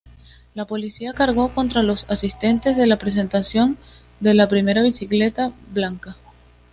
La policía cargó contra los asistentes a la Presentación de la Primera Bicicleta Blanca.